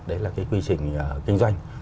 đấy là cái quy trình kinh doanh